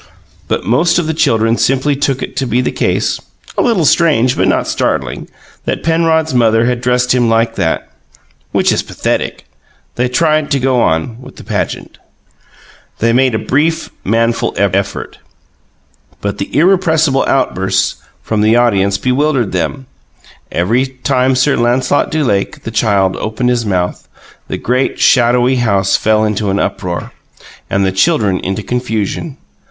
But most of the children simply took it to be the case (a little strange, but not startling) that Penrod's mother had dressed him like that which is pathetic. They tried to go on with the "pageant." They made a brief, manful effort. But the irrepressible outbursts from the audience bewildered them; every time Sir Lancelot du Lake the Child opened his mouth, the great, shadowy house fell into an uproar, and the children into confusion.